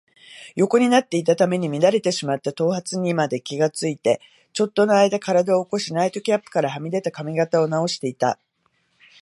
横になっていたために乱れてしまった頭髪にまで気がついて、ちょっとのあいだ身体を起こし、ナイトキャップからはみ出た髪形をなおしていた。